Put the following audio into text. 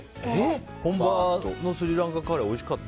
本場のスリランカカレーおいしかった？